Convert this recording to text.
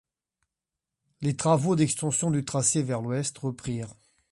Les travaux d'extension du tracé vers l'ouest reprirent.